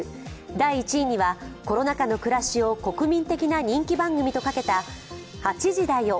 第１位にはコロナ禍の暮らしを国民的な人気番組とかけた「８時だよ！！